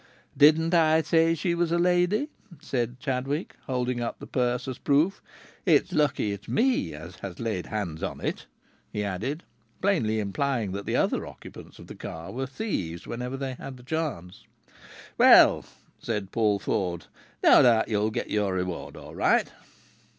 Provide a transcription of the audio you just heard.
"Didn't I say she was a lady?" said Chadwick, holding up the purse as proof. "It's lucky it's me as has laid hands on it!" he added, plainly implying that the other occupants of the car were thieves whenever they had the chance. "Well," said Paul Ford, "no doubt you'll get your reward all right!"